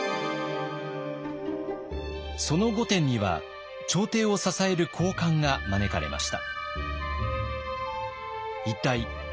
その御殿には朝廷を支える高官が招かれました。